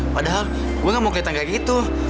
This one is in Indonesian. padahal gue gak mau kelihatan kayak gitu